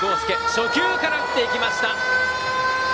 初球から打っていきました！